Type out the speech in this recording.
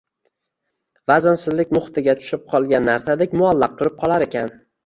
vaznsizlik muhitiga tushib qolgan narsadek muallaq turib qolar ekan.